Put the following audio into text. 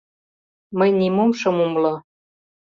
Мый нимом шым умыло.